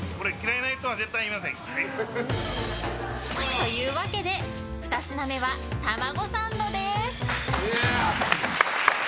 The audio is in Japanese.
というわけで、２品目はたまごサンドです。